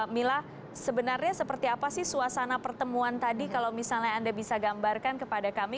mila sebenarnya seperti apa sih suasana pertemuan tadi kalau misalnya anda bisa gambarkan kepada kami